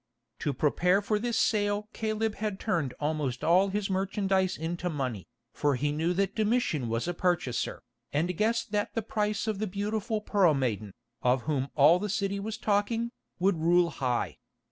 To prepare for this sale Caleb had turned almost all his merchandise into money, for he knew that Domitian was a purchaser, and guessed that the price of the beautiful Pearl Maiden, of whom all the city was talking, would rule high.